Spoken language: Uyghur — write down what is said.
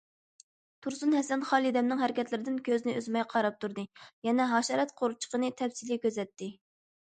تۇرسۇن ھەسەن خالىدەمنىڭ ھەرىكەتلىرىدىن كۆزىنى ئۈزمەي قاراپ تۇردى، يەنە ھاشارات قورچىقىنى تەپسىلىي كۆزەتتى.